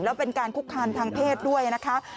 แล้วเป็นการคุกคามทางเพศด้วยนะคะ